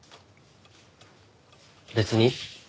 別に。